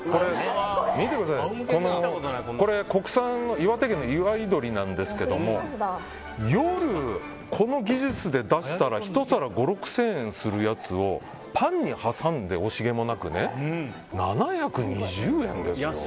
これ、国産の岩手県のいわいどりなんですが夜、この技術で出したら１皿５０００６０００円ぐらいするやつをパンに挟んで、惜しげもなくね７２０円ですよ。